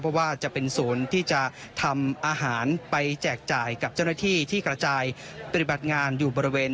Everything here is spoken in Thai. เพราะว่าจะเป็นศูนย์ที่จะทำอาหารไปแจกจ่ายกับเจ้าหน้าที่ที่กระจายปฏิบัติงานอยู่บริเวณ